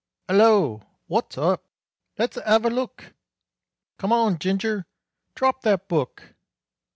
"'Ello! wot's up?" "Let's 'ave a look!" "Come on, Ginger, drop that book!"